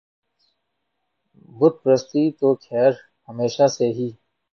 بت پرستی تو خیر ہمیشہ سے ہی